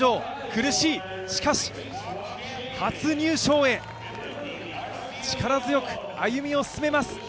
苦しい、しかし初入賞へ、力強く歩みを進めます。